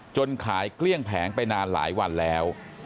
ขายเกลี้ยงแผงไปนานหลายวันแล้ว